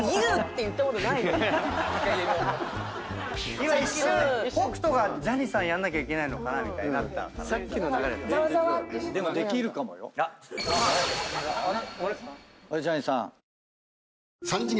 今一瞬北斗がジャニーさんやんなきゃいけないのかみたいになったから。